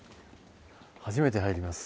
初めて入ります。